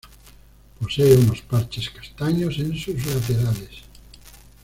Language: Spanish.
Posee unos parches castaños en sus laterales.